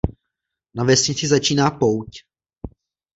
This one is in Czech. Na vesnici začíná pouť.